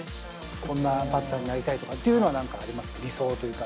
こんなバッターになりたいとかっていうのはありますか？